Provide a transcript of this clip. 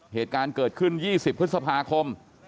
เหตุการณ์เกิดขึ้น๒๐พฤษภาคม